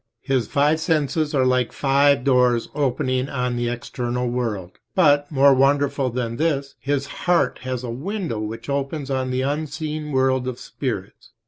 His five senses are like five doors opening on the external world; but, more wonderful than this, {p. 26} his heart has a window which opens on the unseen world of spirits.